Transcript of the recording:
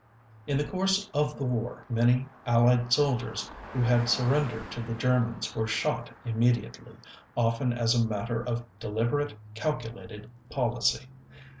In the course of the war, many Allied soldiers who had surrendered to the Germans were shot immediately, often as a matter of deliberate, calculated policy.